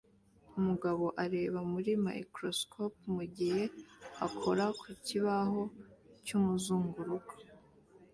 Umugabo ureba muri microscope mugihe akora ku kibaho cyumuzunguruko